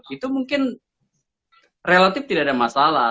itu mungkin relatif tidak ada masalah